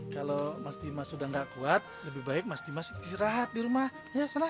kalau masih masuk dan gak kuat lebih baik masih masih istirahat di rumah ya